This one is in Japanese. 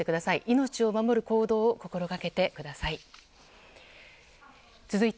命を守る行動を心がけてください。